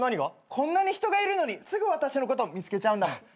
こんなに人がいるのにすぐ私のこと見つけちゃうんだもん。